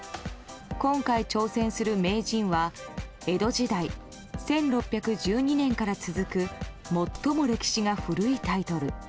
今回挑戦する名人は、江戸時代１６１２年から続く最も歴史が古いタイトル。